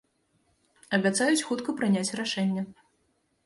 Абяцаюць хутка прыняць рашэнне.